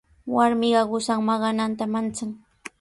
Warmiqa qusan maqananta manchan.